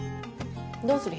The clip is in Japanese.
どうする？